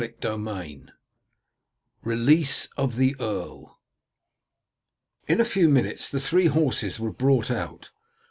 CHAPTER VI RELEASE OF THE EARL In a few minutes the three horses were brought out.